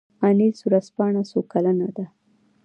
انیس ورځپاڼه څو کلنه ده؟